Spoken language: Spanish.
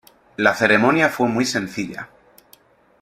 La ceremonia fue muy sencilla.